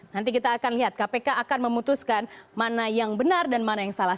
nanti kita akan lihat kpk akan memutuskan mana yang benar dan mana yang salah